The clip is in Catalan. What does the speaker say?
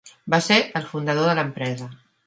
Va ser el fundador de l'empresa.